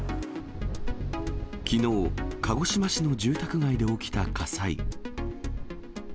きのう、鹿児島の住宅街で起きた火災。